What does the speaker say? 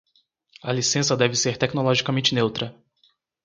A licença deve ser tecnologicamente neutra.